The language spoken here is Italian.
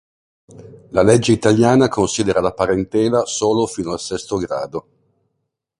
La legge italiana considera la parentela solo fino al sesto grado.